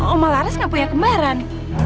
oma laras gak punya kembaran